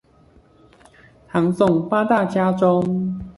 唐宋八大家中